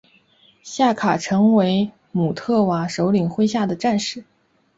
夏卡成为姆特瓦首领麾下的战士。